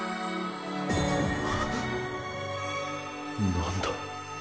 何だ？